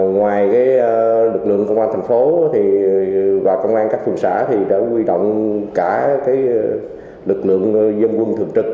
ngoài lực lượng công an tp và công an các khuôn xã đã quy động cả lực lượng dân quân thường trực